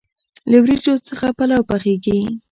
له وریجو څخه پلو پخیږي.